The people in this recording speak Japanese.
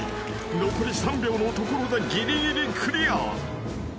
残り３秒のところでぎりぎりクリア］